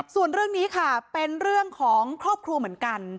ส่วนเรื่องนี้ค่ะเป็นเรื่องของครอบครัวเหมือนกัน